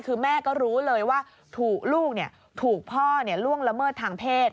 คือแม่ก็รู้เลยว่าถูกลูกถูกพ่อล่วงละเมิดทางเพศ